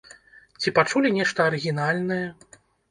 Ці пачулі нешта арыгінальнае?